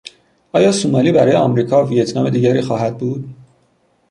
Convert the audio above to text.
آیا سومالی برای امریکا ویتنام دیگری خواهد بود؟